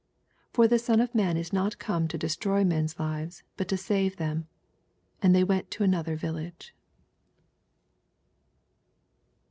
56 For the Son of man is not come to destroy men^s lives, bnt to save them. And they went to ar .other village.